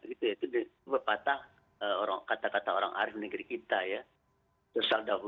itu berpatah kata kata orang arif negeri kita ya